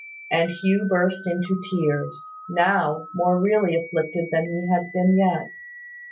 And Hugh burst into tears, now more really afflicted than he had been yet.